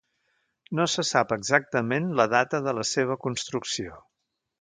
No se sap exactament la data de la seva construcció.